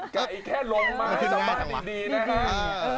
ไก่แค่ลงมาให้สม่าดีนะฮะ